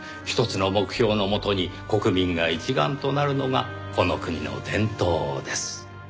ひとつの目標のもとに国民が一丸となるのがこの国の伝統です。